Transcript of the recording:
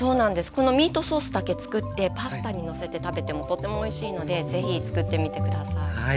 このミートソースだけつくってパスタにのせて食べてもとてもおいしいので是非つくってみて下さい。